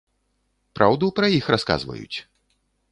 Праўду пра іх расказваюць?